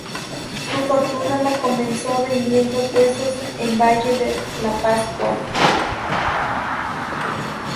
Su fortuna la comenzó vendiendo quesos en Valle de la Pascua.